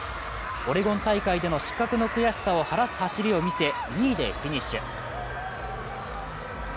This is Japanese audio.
オレゴン大会での失格の悔しさを晴らす走りを見せ２位でフィニッシュ。